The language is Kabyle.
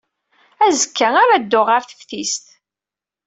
Azekka ara dduɣ ɣer teftist.